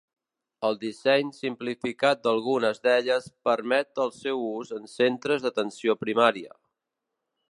El disseny simplificat d'algunes d'elles permet el seu ús en centres d'atenció primària.